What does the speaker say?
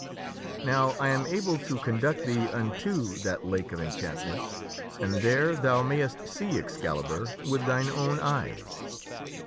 Now I am able to conduct thee unto that Lake of Enchantment, and there thou mayst see Excalibur with thine own eyes.